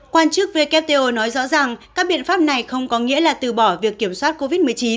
quan chức wto nói rõ rằng các biện pháp này không có nghĩa là từ bỏ việc kiểm soát covid một mươi chín